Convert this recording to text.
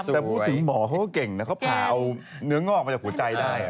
แต่พูดถึงหมอเขาก็เก่งนะเขาผ่าเอาเนื้องอกมาจากหัวใจได้